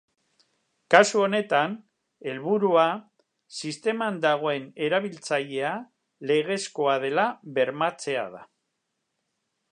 Kasu honetan, helburua, sisteman dagoen erabiltzailea legezkoa dela bermatzea da.